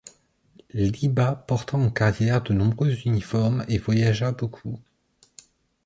Liba porta en carrière de nombreux uniformes et voyagea beaucoup.